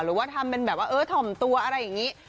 หรือว่าทำเป็นแบบว่าเออถ่อมตัวอะไรอย่างนี้